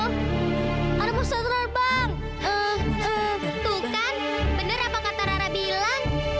viver bang betul kan bener apa kata rara bilang